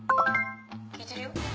聞いてるよ。